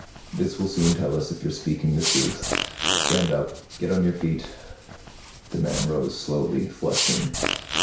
"This will soon tell us if you're speaking the truth. Stand up. Get on your feet." The man rose slowly, flushing.